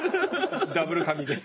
ダブル神です。